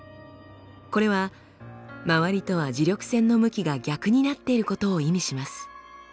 これは周りとは磁力線の向きが逆になっていることを意味します。